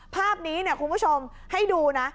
ภาพนี้คุณผู้ชมให้ดูนะ